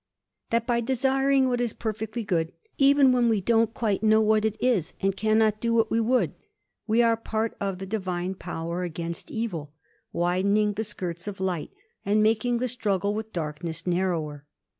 "'That by desiring what is perfectly good, even when we don't quite know what it is and cannot do what we would, we are part of the divine power against evil—widening the skirts of light and making the struggle with darkness narrower.